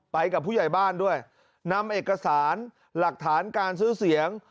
กับผู้ใหญ่บ้านด้วยนำเอกสารหลักฐานการซื้อเสียง